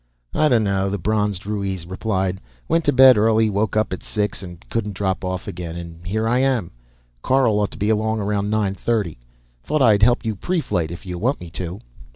"I donno," the bronzed Ruiz replied. "Went to bed early, woke up at six and couldn't drop off again. And here I am. Carl ought to be along around nine thirty. Thought I'd help you preflight, if you want me to."